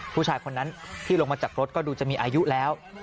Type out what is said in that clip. ผู้ชายคนนั้นที่ลงมาจากรถก็ดูจะมีอายุแล้ว